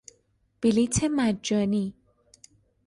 بلیط مجانی